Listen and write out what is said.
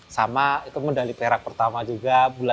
sama itu medali perak pertama juga